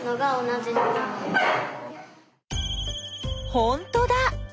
ほんとだ！